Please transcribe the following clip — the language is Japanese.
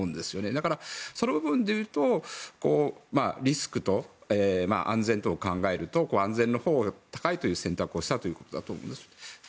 だから、その分でいうとリスクと安全とを考えると安全のほうが高いという選択をしたということだと思うんです。